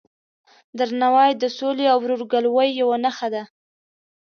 درناوی د سولې او ورورګلوۍ یوه نښه ده.